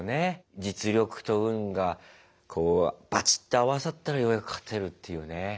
実力と運がこうバチッと合わさったらようやく勝てるっていうね。